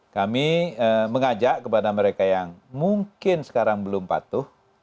kami mengajak kepada mereka yang mungkin sekarang belum patuh